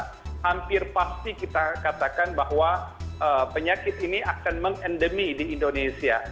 hampir pasti kita katakan bahwa penyakit ini akan mengendemi di indonesia